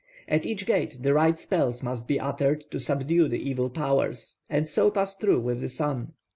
At each gate the right spells must be uttered to subdue the evil powers, and so pass through with the sun.